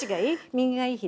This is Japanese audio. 左がいい？